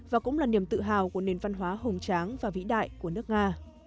và cũng là niềm tự hào của nền văn hóa hùng tráng và vĩ đại của nước nga